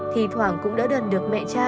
thì thoảng cũng đã đần được mẹ cha